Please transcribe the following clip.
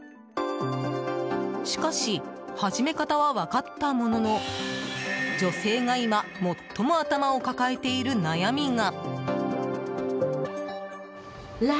しかし、始め方は分かったものの女性が今、最も頭を抱えている悩みが。